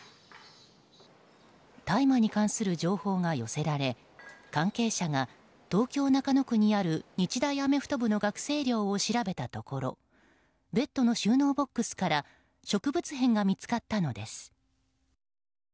大麻に関する情報が寄せられ関係者が東京・中野区にある日大アメフト部の学生寮を調べたところベッドの収納ボックスから植物片が見つかったのです。